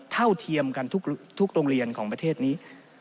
เท่าเทียมกันทุกโรงเรียนของประเทศนี้